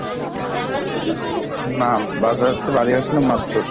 তিনি ইংল্যান্ড ও জার্মানীতে গবেষণার সুযোগ পান।